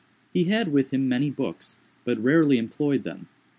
He had with him many books, but rarely employed them.